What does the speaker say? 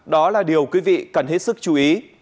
đó là điều quý vị cần hết sức chú ý